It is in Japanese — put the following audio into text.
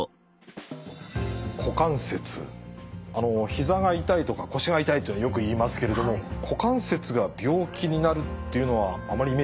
ひざが痛いとか腰が痛いというのよく言いますけれども股関節が病気になるっていうのはあまりイメージないですね。